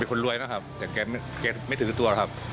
คนรวยนะครับแต่แกไม่ถือตัวครับ